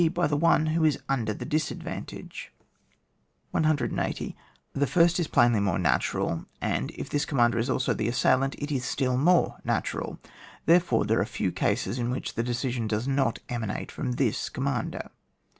By the one who is under the dis advantage. 180. The first is plainly* more natu ral; and if this commander is also the assailant, it is still more natural : there fore, there are few cases in which the decision does not emanate from this com mander.